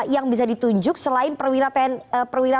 yang bisa ditunjuk selain perwira